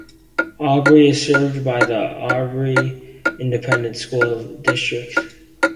Aubrey is served by the Aubrey Independent School District.